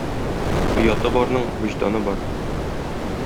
Ояты барның вөҗданы бар.